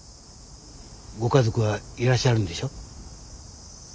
ご家族はいらっしゃるんでしょ？